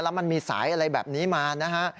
แล้วมันมีสายอะไรแบบนี้มานะฮะ